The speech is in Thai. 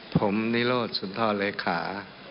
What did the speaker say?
ผมนิโรธสุนทรเลขา